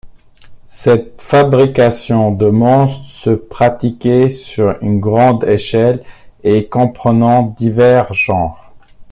Cette fabrication de monstres se pratiquait sur une grande échelle et comprenant divers genres.